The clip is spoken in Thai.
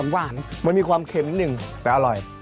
หวานมันมีความเค็มนิดหนึ่งแต่อร่อย